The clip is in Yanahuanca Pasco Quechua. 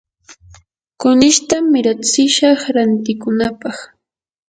kunishta miratsishaq rantikunapaq.